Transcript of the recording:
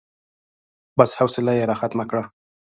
بس، حوصله يې راختمه کړه.